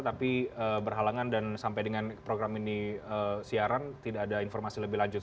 tapi berhalangan dan sampai dengan program ini siaran tidak ada informasi lebih lanjut